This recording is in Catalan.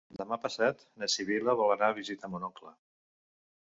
Demà passat na Sibil·la vol anar a visitar mon oncle.